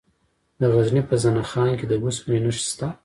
د غزني په زنه خان کې د اوسپنې نښې شته.